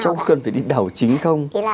cháu có cần phải đi đạo chính